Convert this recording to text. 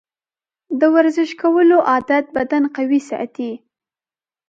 د ورزش کولو عادت بدن قوي ساتي.